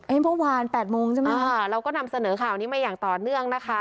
เมื่อวาน๘โมงใช่ไหมคะเราก็นำเสนอข่าวนี้มาอย่างต่อเนื่องนะคะ